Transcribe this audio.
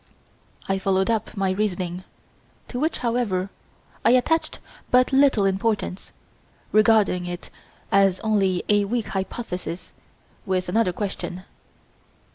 I followed up my reasoning, to which, however, I attached but little importance, regarding it as only a weak hypothesis, with another question.